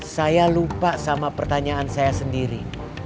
saya lupa sama pertanyaan saya sendiri